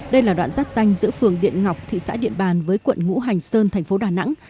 đây là đoạn giáp danh giữa phường điện ngọc thị xã điện bàn với quận ngũ hành sơn thành phố đà nẵng